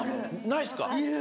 ないですか？